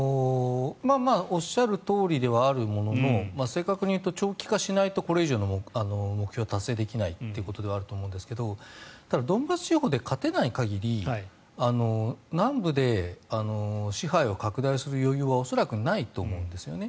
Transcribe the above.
おっしゃるとおりではあるものの正確に言うと長期化しないとこれ以上の目標は達成できないということであると思うんですけどただ、ドンバス地方で勝てない限り南部で支配を拡大する余裕は恐らくないと思うんです。